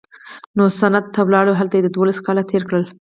نو سند ته ولاړ او هلته یې دوولس کاله تېر کړل.